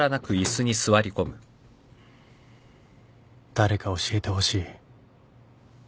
誰か教えてほしい